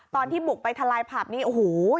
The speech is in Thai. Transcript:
ตอนที่บุกไปทลายผับนี้โอ้โห